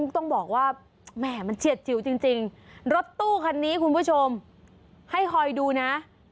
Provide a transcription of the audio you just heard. ต้องบอกว่าแหม่มันเฉียดจิ๋วจริงรถตู้คันนี้คุณผู้ชมให้คอยดูนะ